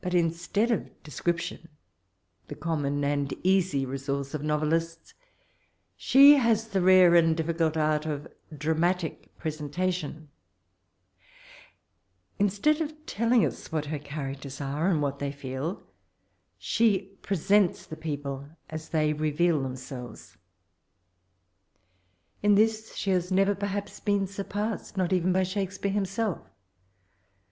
] The NwbU of Jane Avsterk 105 j^ut iiMtead of descrifiiont the common and easy resoorce or ooyelista, she has the rare and difficult art of dram/atio presentcUion : instead of teUiog us what her characters are, and what they fed, «he presents the people^ and they reveal themselves. In this she has never perhaps been surpassed, not even by Shakespeare himself.